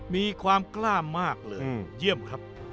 มีความกล้ามากเลยเยี่ยมครับ